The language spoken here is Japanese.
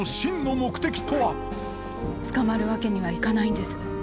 捕まるわけにはいかないんです。